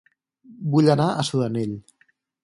Vull anar a Sudanell